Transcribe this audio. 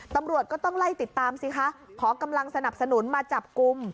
ตำรวจก็ต้องไล่ติดตามสิคะขอกำลังสนับสนุนมาจับกลุ่ม